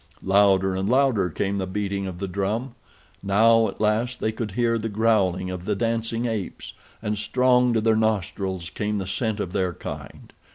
Louder and louder came the beating of the drum. Now, at last, they could hear the growling of the dancing apes, and strong to their nostrils came the scent of their kind.